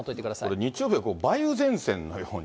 これ、日曜日は梅雨前線のように。